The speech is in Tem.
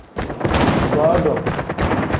Godo.